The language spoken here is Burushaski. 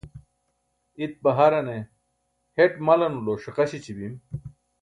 itpa harane heṭ malanulo ṣiqa śeći bim